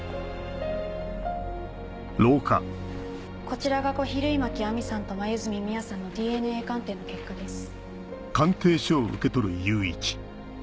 こちらが小比類巻亜美さんと黛美羽さんのＤＮＡ鑑定の結果です。